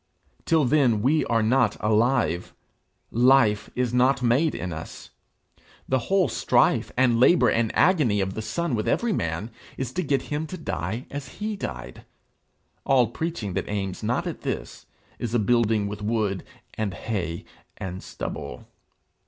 Till then we are not alive; life is not made in us. The whole strife and labour and agony of the Son with every man, is to get him to die as he died. All preaching that aims not at this, is a building with wood and hay and stubble.